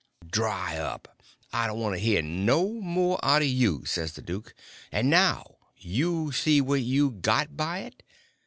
"Dry up! I don't want to hear no more out of you!" says the duke. "And now you see what you got by it.